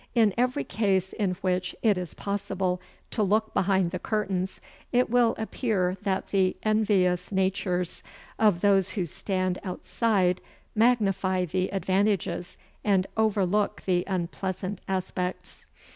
In every case in which it is possible to look behind the curtains it will appear that the envious natures of those who stand outside magnify the advantages and overlook the unpleasant aspects.